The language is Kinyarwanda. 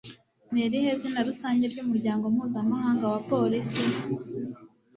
Ni irihe zina rusange ry’umuryango mpuzamahanga wa polisi?